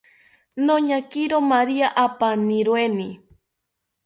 Noñakiro maria apaniroeni